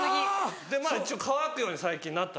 で一応乾くように最近なった。